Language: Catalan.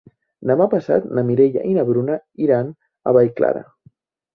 Demà passat na Mireia i na Bruna iran a Vallclara.